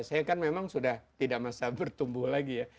saya kan memang sudah tidak masa bertumbuh lagi ya